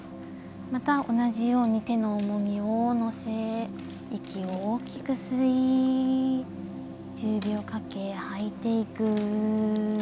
また同じように手の重みを乗せ息を大きく吸い１０秒かけ吐いていく。